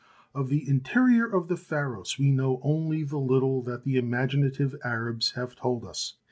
Of the interior of the Pharos we know only the little that the imaginative Arabs have told us.